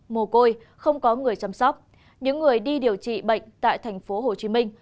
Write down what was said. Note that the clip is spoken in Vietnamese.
mồ côi không có người chăm sóc những người đi điều trị bệnh tại thành phố hồ chí minh